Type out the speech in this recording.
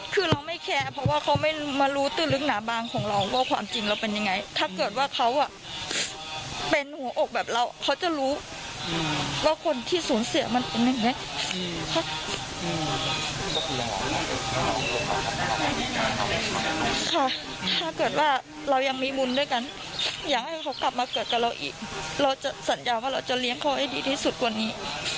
ก็จะกลับมาเกิดกับเราอีกเราจะสัญญาว่าเราจะเลี้ยงเขาให้ดีที่สุดวันนี้